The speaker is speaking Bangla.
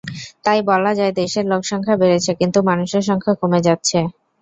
তাই বলা যায়, দেশের লোকসংখ্যা বেড়েছে, কিন্তু মানুষের সংখ্যা কমে যাচ্ছে।